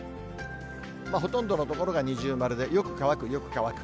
ほとんどの所が二重丸でよく乾く、よく乾く。